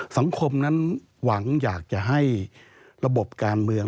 สังคมนั้นหวังอยากจะให้ระบบการเมือง